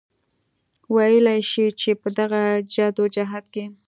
وئيلی شي چې پۀ دغه جدوجهد کې